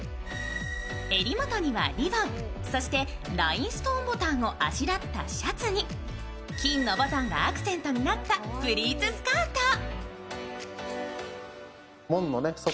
襟元にはリボン、そしてラインストーンボタンをあしらったシャツに金のボタンがアクセントになったプリーツスカート。